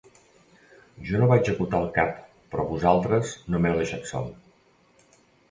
Jo no vaig acotar el cap però vosaltres no m'heu deixat sol.